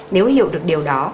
nếu hiểu được điều đó